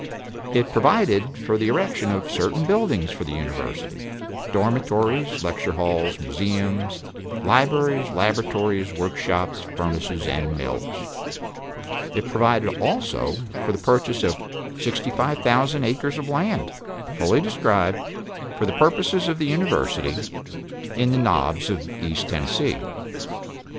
It provided for the erection of certain buildings for the University, dormitories, lecture halls, museums, libraries, laboratories, work shops, furnaces, and mills. It provided also for the purchase of sixty five thousand acres of land, (fully described) for the purposes of the University, in the Knobs of East Tennessee.